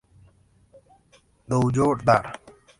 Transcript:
Do You Dare?